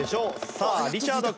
さあリチャード君。